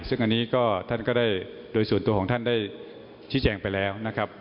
ซึ่งอันนี้ก็ท่านก็ได้โดยส่วนตัวของท่านได้ชี้แจงไปแล้วนะครับ